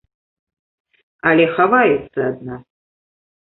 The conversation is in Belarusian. Але хаваюцца ад нас.